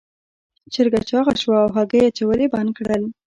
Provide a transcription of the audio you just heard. چرګه چاغه شوه او هګۍ اچول یې بند کړل.